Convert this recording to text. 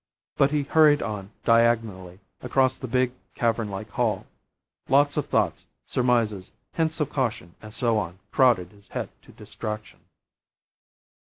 But he hurried on, diagonally, across the big cavern like hall. Lots of thoughts, surmises, hints of caution, and so on, crowded his head to distraction.